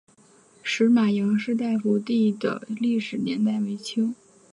石码杨氏大夫第的历史年代为清。